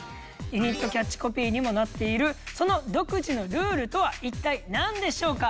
ユニットキャッチコピーにもなっているその独自のルールとは一体なんでしょうか？